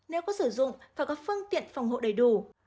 nếu có sử dụng phải có phương tiện phòng hộ đầy đủ